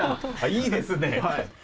いいですね。